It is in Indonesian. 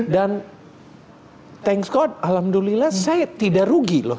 dan thanks god alhamdulillah saya tidak rugi loh